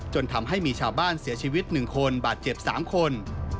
จนทำให้มีชาวบ้านเสียชีวิต๑คนบาดเจ็บ๓คน